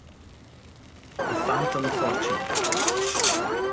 The Phantom Fortune